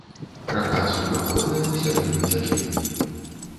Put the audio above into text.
Рака суднаходная ў сярэднім цячэнні.